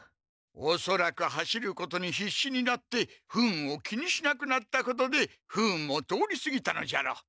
おそらく走ることにひっしになって不運を気にしなくなったことで不運も通りすぎたのじゃろう。